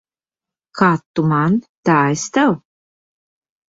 Kā tu man, tā es tev.